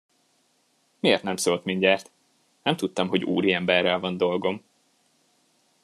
Miért nem szólt mindjárt? Nem tudtam, hogy úriemberrel van dolgom!